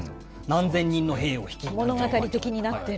何千人の兵を率いたとか。